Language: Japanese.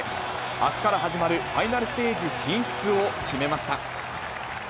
あすから始まるファイナルステージ進出を決めました。